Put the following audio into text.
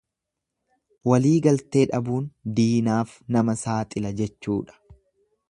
Waliigaltee dhabuun diinaaf nama saaxila jechuudha.